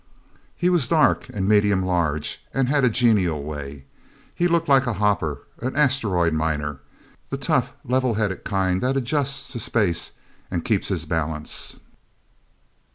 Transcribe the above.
He was dark, and medium large, and he had a genial way. He looked like a hopper an asteroid miner the tough, level headed kind that adjusts to space and keeps his balance.